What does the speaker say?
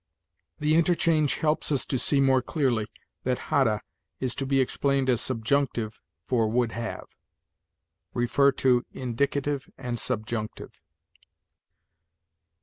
The interchange helps us to see more clearly that 'hadde' is to be explained as subjunctive for 'would have.'" See INDICATIVE AND SUBJUNCTIVE.